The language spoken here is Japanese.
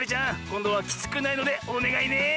こんどはきつくないのでおねがいね！